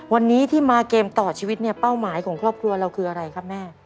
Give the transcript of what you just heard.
วันนี้ที่มาเกมต่อชีวิตเนี่ยเป้าหมายของครอบครัวเราคืออะไรครับแม่